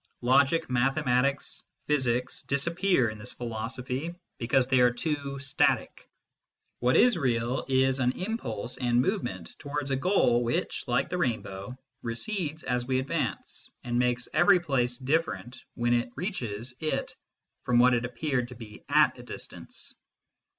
Logic, mathematics, MYSTICISM AND LOGIC 25 physics disappear in this philosophy, because they are too " static "; what is real is no impulse and movement towards a goal which, like the rainbow, recedes as we advance, and makes every place different when it reaches it from what it appeared to be at a distance.